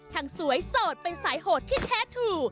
ทั้งสวยสดเป็นสายโหดที่แท้ถู